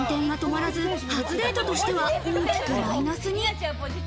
減点が止まらず、初デートとしては大きくマイナスに。